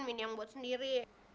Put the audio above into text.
minya yang buat sendiri